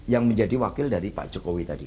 yang menjadi wakil dari pak jokowi tadi